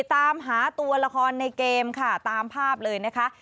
ตามหาตัวละครในเกมค่ะตามภาพเลยนะคะ